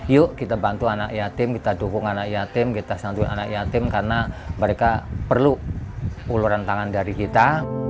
yuk kita bantu anak yatim kita dukung anak yatim kita santuin anak yatim karena mereka perlu uluran tangan dari kita